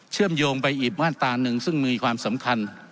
โยงไปอีกมาตราหนึ่งซึ่งมีความสำคัญ